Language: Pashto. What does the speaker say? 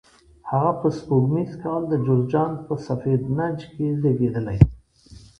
هغه په سپوږمیز کال د جوزجان په سفید نج کې زیږېدلی.